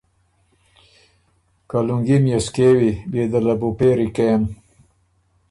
که لُونګي ميې سو کېوی بیې ده له بو پېری کېم۔“